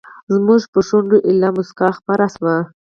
زموږ پر شونډو ایله موسکا خپره شوه.